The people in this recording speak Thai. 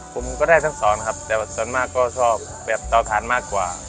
ผมก็ได้ทั้งสองครับแต่ส่วนมากก็ชอบแบบเตาถ่านมากกว่า